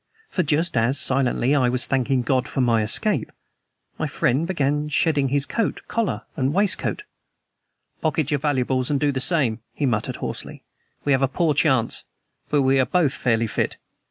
For just as, silently, I was thanking God for my escape, my friend began shedding his coat, collar, and waistcoat. "Pocket your valuables, and do the same," he muttered hoarsely. "We have a poor chance but we are both fairly fit.